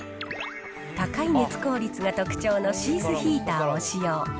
高い熱効率が特徴のシーズヒーターを使用。